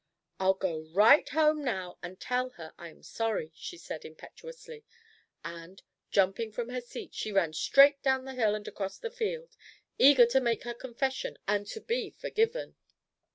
"I'll go right home now and tell her I am sorry," she said, impetuously; and, jumping from her seat, she ran straight down the hill and across the field, eager to make her confession and to be forgiven.